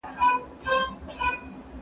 په لمن کي یې ور واچول قندونه